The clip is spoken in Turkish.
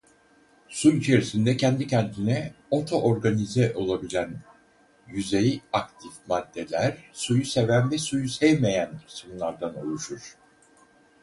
Su içerisinde kendi kendine "oto-organize" olabilen yüzey aktif maddeler suyu seven ve suyu sevmeyen kısımlardan oluşur.